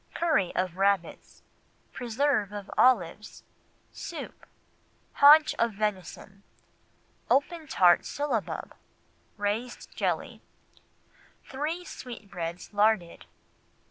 Curry of Rabbits. Preserve of Olives. Soup. Haunch of Venison. Open Tart Syllabub. Raised Jelly. Three Sweetbreads Larded.